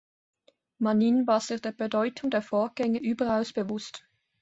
Manin war sich der Bedeutung der Vorgänge überaus bewusst.